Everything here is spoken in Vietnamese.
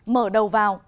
mở đầu vào